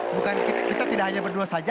bukan kita tidak hanya berdua saja